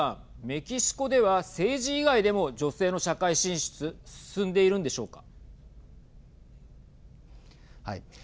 メキシコでは、政治以外でも女性の社会進出進んでいるんでしょうか。